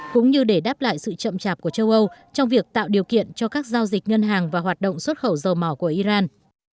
cũng như để đáp lại sự chậm chạp của châu âu trong việc tạo điều kiện cho các giao dịch ngân hàng và hoạt động xuất khẩu dầu mỏ của iran